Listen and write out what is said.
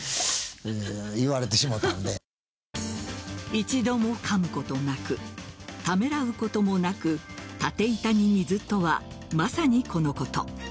一度もかむことなくためらうこともなく立て板に水とはまさにこのこと。